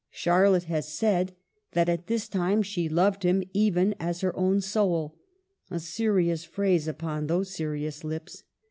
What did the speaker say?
Charlotte has said that at this time she loved him even as her own soul — a serious phrase upon those serious lips.